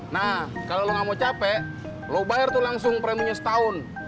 nah kalau lu gak mau capek lu bayar tuh langsung preminya setahun